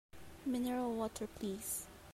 Mineral water please!